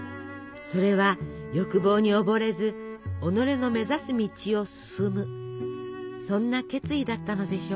それは欲望におぼれず己の目指す道を進むそんな決意だったのでしょうか。